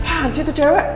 apaan sih itu cewek